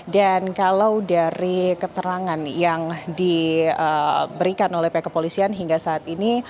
dan kalau dari keterangan yang diberikan oleh pihak kepolisian hingga saat ini